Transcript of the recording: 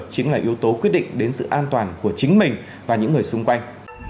chính là yếu tố quyết định đến sự an toàn của chính mình và những người xung quanh